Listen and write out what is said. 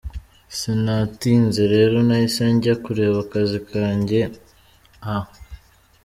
Sinatinze rero nahise njya kureba akazi kanjye.â€?